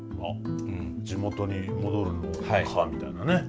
地元に戻るのかみたいなね。